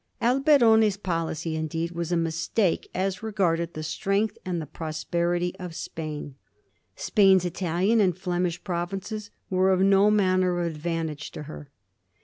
Alberoni's policy, indeed, was a mistake as regarded the strength and the pros perity of Spain. Spain's Italian and Flemish pro vinces were of no manner of advantage to her.